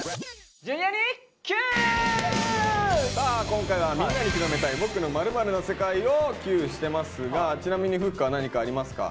今回は「みんなに広めたい僕の○○な世界」をＱしてますがちなみにふっかは何かありますか？